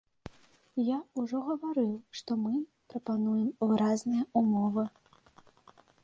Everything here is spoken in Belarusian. Я ўжо гаварыў, што мы прапануем выразныя ўмовы.